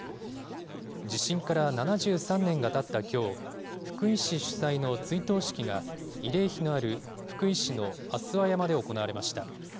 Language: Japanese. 地震から７３年がたったきょう、福井市主催の追悼式が、慰霊碑のある福井市の足羽山で行われました。